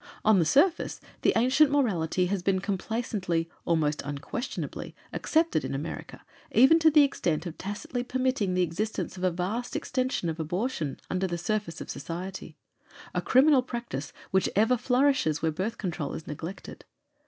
On the surface, the ancient morality had been complacently, almost unquestionably, accepted in America, even to the extent of tacitly permitting the existence of a vast extension of abortion, under the surface of society a criminal practice which ever flourishes where Birth Control is neglected.